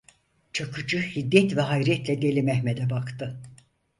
Çakıcı hiddet ve hayretle Deli Mehmet'e baktı.